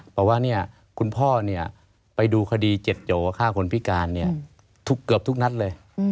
เพราะว่าเนี่ยคุณพ่อเนี่ยไปดูคดีเจ็ดโจข้าวคนพิการเนี่ยเกือบทุกนัดเลย